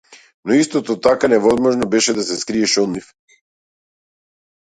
Но исто така невозможно беше да се скриеш од нив.